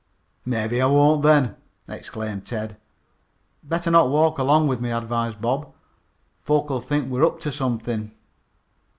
"Maybe I won't then!" exclaimed Ted. "Better not walk along with me," advised Bob. "Folks might think we were up to something."